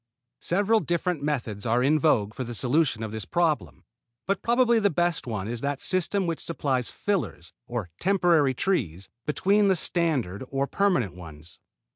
Several different methods are in vogue for the solution of this problem; but probably the best one is that system which supplies fillers or temporary trees between the standard or permanent ones.